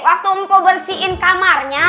waktu mpok bersihin kamarnya